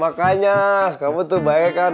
makanya kamu tuh baik kan